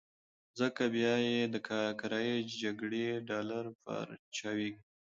ځکه بيا یې د کرايي جګړې ډالر پارچاوېږي.